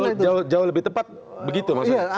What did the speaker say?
itu jauh lebih tepat begitu maksudnya